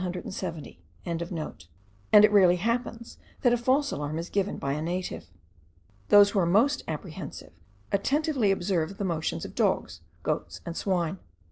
and it rarely happens that a false alarm is given by a native. Those who are most apprehensive attentively observe the motions of dogs, goats, and swine.